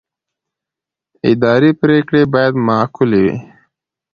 اداري پرېکړې باید معقولې وي.